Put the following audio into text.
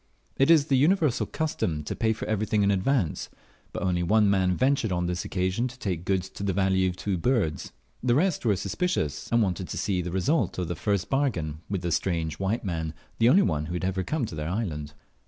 It is the universal custom to pay for everything in advance; but only one man ventured on this occasion to take goods to the value of two birds. The rest were suspicious, and wanted to see the result of the first bargain with the strange white man, the only one who had ever come to their island.